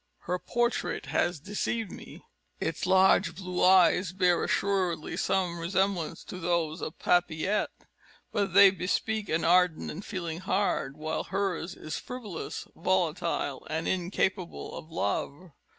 Her portrait has deceived me: its large blue eyes bear assuredly some resemblance to those of Papillette, but they bespeak an ardent and feeling heart, while hers is frivolous, volatile, and incapable of love.